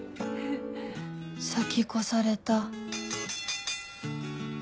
先越された